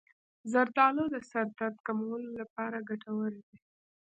زردآلو د سر درد کمولو لپاره ګټور دي.